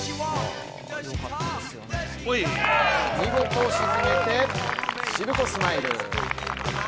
見事沈めて、しぶこスマイル。